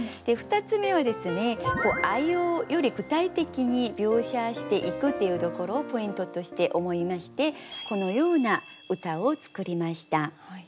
２つ目は「愛」をより具体的に描写していくっていうところをポイントとして思いましてこのような歌を作りました。